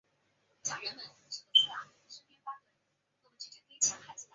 以应图谶。